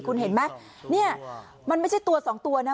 คุณเห็นไหมเนี่ยมันไม่ใช่ตัวสองตัวนะ